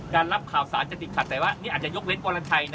รับข่าวสารจะติดขัดแต่ว่านี่อาจจะยกเว้นวรรณชัยนะ